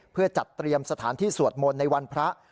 เพื่อจัดเตรียมสถานที่สวดมนต์ในวันพระ